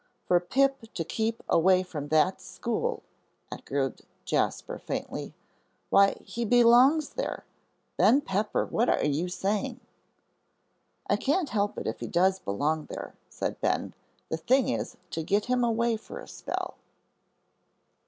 "For Pip to keep away from that school," echoed Jasper, faintly; "why, he belongs there. Ben Pepper, what are you saying?" "I can't help it if he does belong there," said Ben. "The thing is to get him away for a spell."